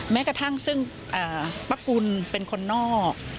แม้กระทั่งซึ่งป้ากุลเป็นคนนอก